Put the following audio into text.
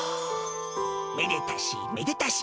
めでたしめでたし。